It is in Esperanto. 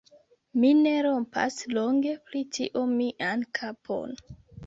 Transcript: Mi ne rompas longe pri tio mian kapon.